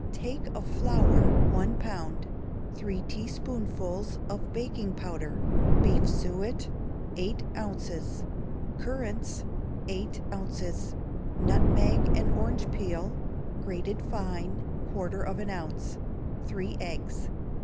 Take of flour, one pound; three teaspoonfuls of baking powder; beef suet, eight ounces; currants, eight ounces; nutmeg and orange peel, grated fine, quarter of an ounce; three eggs.